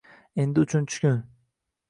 Endi uchinchi kun